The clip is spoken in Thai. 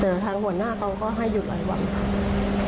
แต่ทางหัวหน้าเขาก็ให้หยุดหลายวันค่ะ